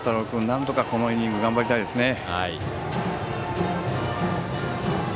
なんとかこのイニング頑張りたいですね。